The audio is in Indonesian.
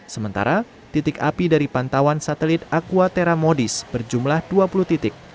sementara titik api dari pantauan satelit aquatera modis berjumlah dua puluh titik